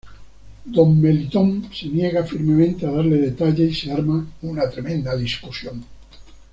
Don Melitón se niega firmemente a darle detalles y se arma una tremenda discusión.